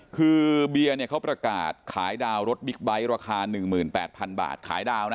คือเบียร์เนี่ยเขาประกาศขายดาวรถบิ๊กไบท์ราคา๑๘๐๐๐บาทขายดาวนะ